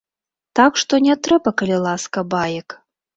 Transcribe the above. Так што не трэба, калі ласка, баек.